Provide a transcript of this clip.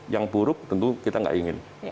yang buruk tentu kita nggak ingin